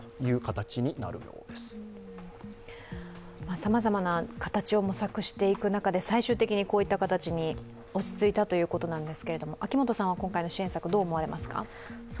さまざまな形を模索していく中で最終的にこういった形に落ち着いたということなんですけど今回の支援策、どう思われますか。